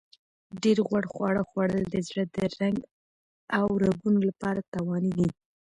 ډېر غوړ خواړه خوړل د زړه د رنګ او رګونو لپاره تاواني دي.